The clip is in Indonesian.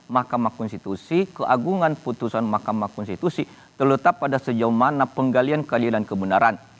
mahkamah konstitusi keagungan putusan mahkamah konstitusi terletak pada sejauh mana penggalian keadilan kebenaran